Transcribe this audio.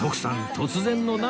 突然の涙。